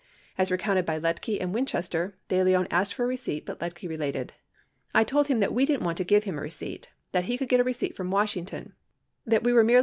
As recounted by Liedtke and Winchester, De Leon asked for a receipt but Liedtke related : "I told him that we didn't want to give him a receipt, that he could get a receipt from Washington, that we were 61 2 Hearings 699.